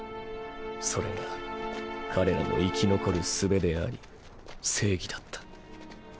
それが彼らの生き残るすべであり正義だった。